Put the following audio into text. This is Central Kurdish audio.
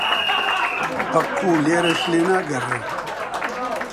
پەکوو لێرەشم لێ ناگەڕێن؟